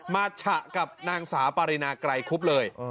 ฉะกับนางสาวปารินาไกรคุบเลย